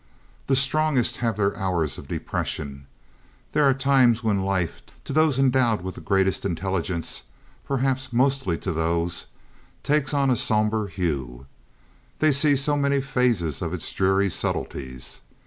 The strongest have their hours of depression. There are times when life to those endowed with the greatest intelligence—perhaps mostly to those—takes on a somber hue. They see so many phases of its dreary subtleties.